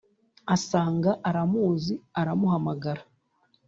asanga aramuzi aramuhamagara